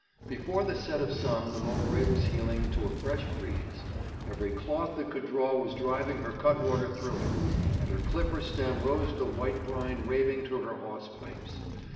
Before the set of sun the Mowbray was heeling to a fresh breeze; every cloth that could draw was driving her cutwater through it, and her clipper stem rose the white brine raving to her hawse pipes.